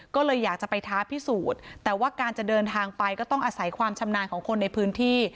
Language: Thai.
ก็เลยอยากจะไปท้าพิสูจน์แต่ว่าการจะเดินทางไปก็ต้องอาศัยความชำนาญของคนในพื้นที่